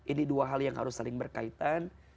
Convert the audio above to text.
ini dua hal yang harus saling berkaitan